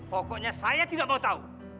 pokoknya saya tidak mau tahu